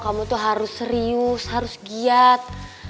kamu tuh harus serius harus giat